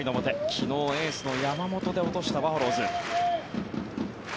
昨日、エースの山本で落としたバファローズ。